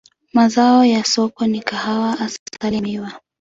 Mazao ya soko ni kahawa, asali na miwa.